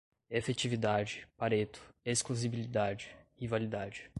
efetividade, pareto, exclusibilidade, rivalidade